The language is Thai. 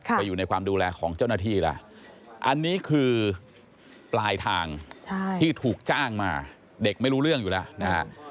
ไปอยู่ในความดูแลของเจ้าหน้าที่ล่ะอันนี้คือปลายทางที่ถูกจ้างมาเด็กไม่รู้เรื่องอยู่แล้วนะฮะ